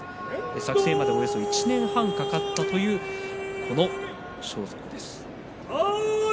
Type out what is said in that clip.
作成までおよそ１年半かかったという装束です。